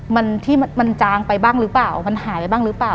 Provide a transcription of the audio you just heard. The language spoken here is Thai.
มันที่มันจางไปบ้างหรือเปล่ามันหายไปบ้างหรือเปล่า